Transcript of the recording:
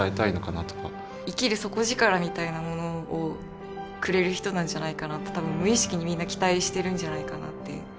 生きる底力みたいなものをくれる人なんじゃないかなって多分無意識にみんな期待してるんじゃないかなって。